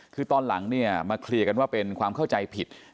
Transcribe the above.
คือตอนหลังเนี่ยมาเคลียร์กันว่าเป็นความเข้าใจผิด